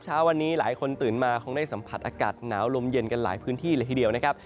เช้าวันนี้หลายคนตื่นมาคงได้สัมผัสอากาศหนาวลมเย็นกันหลายพื้นที่เลยทีเดียวนะครับ